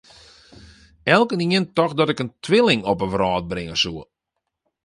Elkenien tocht dat ik in twilling op 'e wrâld bringe soe.